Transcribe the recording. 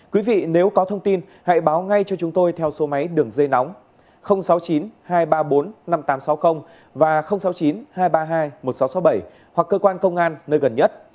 quý vị nếu có thông tin hãy báo ngay cho chúng tôi theo số máy đường dây nóng sáu mươi chín hai trăm ba mươi bốn năm nghìn tám trăm sáu mươi và sáu mươi chín hai trăm ba mươi hai một nghìn sáu trăm sáu mươi bảy hoặc cơ quan công an nơi gần nhất